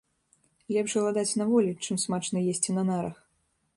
Лепш галадаць на волі, чым смачна есці на нарах.